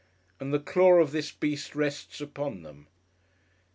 And the claw of this Beast rests upon them!